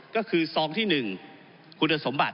ก็คือซองที่๑คุณสมบัติ